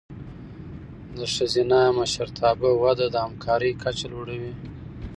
د ښځینه مشرتابه وده د همکارۍ کچه لوړوي.